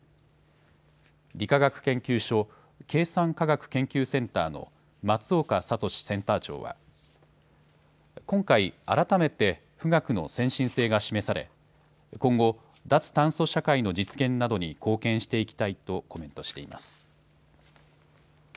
理化学研究所計算科学研究センターの松岡聡センター長は今回、改めて富岳の先進性が示され今後、脱炭素社会の実現などに貢献していきたいとコメントしています。